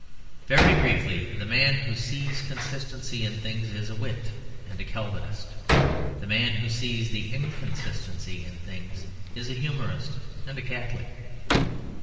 Very briefly, the man who sees the consistency in things is a wit and a Calvinist. The man who sees the inconsistency in things is a humorist and a Catholic.